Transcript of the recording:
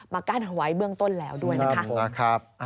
กั้นเอาไว้เบื้องต้นแล้วด้วยนะคะ